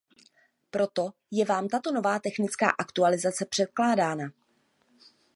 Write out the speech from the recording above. Proto je vám tato nová technická aktualizace předkládána.